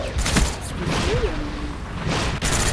Skriforyon on ni.